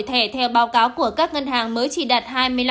thẻ theo báo cáo của các ngân hàng mới chỉ đạt hai mươi năm